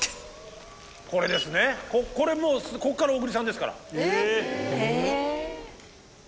これですねこれもうここから小栗さんですから。